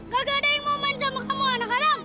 gak ada yang mau main sama kamu anak anak